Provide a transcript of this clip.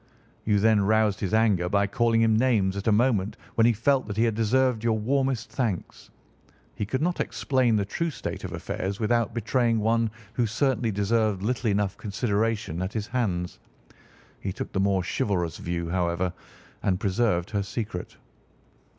"You then roused his anger by calling him names at a moment when he felt that he had deserved your warmest thanks. He could not explain the true state of affairs without betraying one who certainly deserved little enough consideration at his hands. He took the more chivalrous view, however, and preserved her secret."